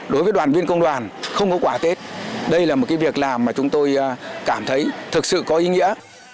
đối với đoàn viên công đoàn không có quả tết đây là một việc làm mà chúng tôi cảm thấy thực sự có ý nghĩa